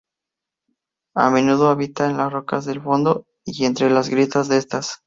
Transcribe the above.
A menudo habita en las rocas del fondo y entre las grietas de estas.